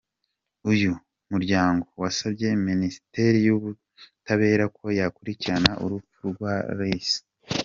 Uyu muryango wasabye Minisiteri y’Ubutabera ko yakurikirana urupfu rwa Rice.